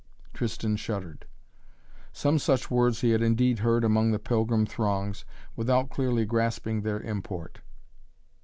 Tristan shuddered. Some such words he had indeed heard among the pilgrim throngs without clearly grasping their import.